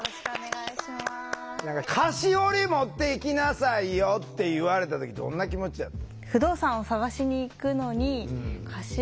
「菓子折持っていきなさいよ」って言われた時どんな気持ちやった？